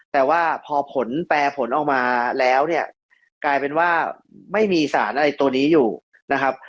แต่ว่าพอผลแปรผลออกมาแล้วเนี่ยกลายเป็นว่าไม่มีสารอะไรตัวนี้อยู่นะครับ